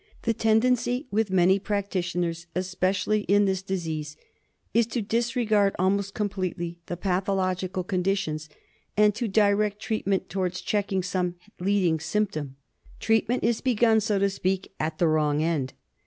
The tendency with many practitioners, especially in this disease, is to disregard almost completely the pathological conditions, and to direct treatment to wards checking some leading symptom. Treatment is begun, so to speak, at the wrong end.